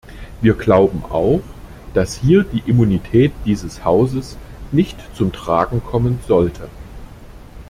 Wir glauben auch, dass hier die Immunität dieses Hauses nicht zum Tragen kommen sollte.